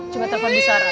coba telfon bu sarah